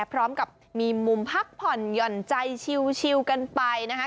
พร้อมกับมีมุมพักผ่อนหย่อนใจชิวกันไปนะคะ